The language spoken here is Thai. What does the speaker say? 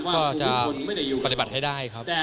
ก็จะปฏิบัติให้ได้ครับ